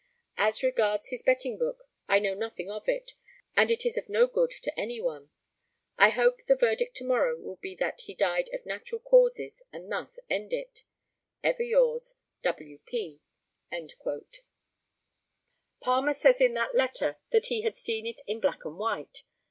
As regards his betting book, I know nothing of it, and it is of no good to any one. I hope the verdict to morrow will be that he died of natural causes, and thus end it "Ever yours, "W. P."] Palmer says in that letter that he had seen it in black and white.